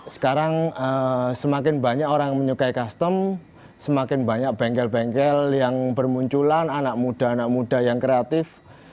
sekarang semakin banyak orang menyukai custom semakin banyak bengkel bengkel yang bermunculan anak muda anak muda yang kreatif